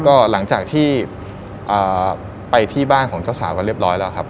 ก็หลังจากที่ไปที่บ้านของเจ้าสาวกันเรียบร้อยแล้วครับ